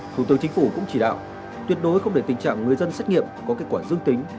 thủ tướng chính phủ cũng chỉ đạo tuyệt đối không để tình trạng người dân xét nghiệm có kết quả dương tính